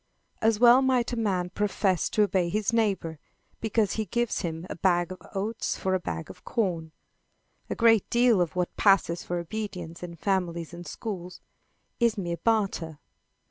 As well might a man profess to obey his neighbor, because he gives him a bag of oats for a bag of corn. A great deal of what passes for obedience in families and schools, is mere barter.